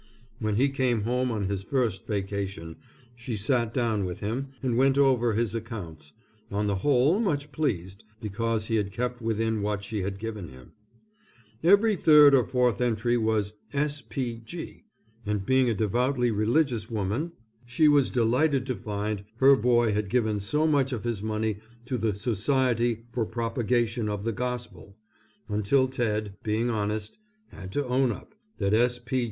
When he came home on his first vacation, she sat down with him and went over his accounts, on the whole much pleased, because he had kept within what she had given him. Every third or fourth entry was S. P. G. and being a devoutedly religious woman she was delighted to find her boy had given so much of his money to the Society for Propagation of the Gospel, until Ted, being honest, had to own up that S. P.